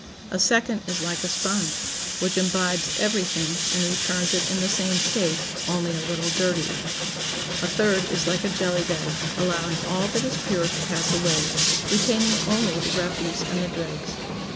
A second is like a sponge, which imbibes every thing, and returns it in the same state, only a little dirtier. A third is like a jelly bag, allowing all that is pure to pass away, retaining only the refuse and the dregs.